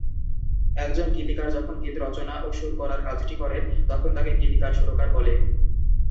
একজন গীতিকার যখন গীত রচনা ও সুর করার কাজটি করেন তখন তাকে গীতিকার-সুরকার বলে।